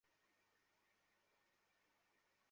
আমার দিকে তাকাও, তোমার পিচ্চি চোখ দিয়ে আমার দিকে তাকাও।